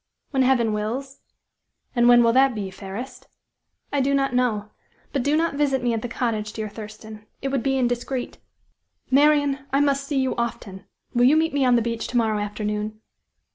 "When Heaven wills." "And when will that be, fairest?" "I do not know; but do not visit me at the cottage, dear Thurston, it would be indiscreet." "Marian! I must see you often. Will you meet me on the beach to morrow afternoon?"